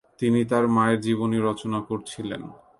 তিনি তার মায়ের জীবনী রচনা করেছিলেন।